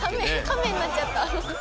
カメになっちゃった。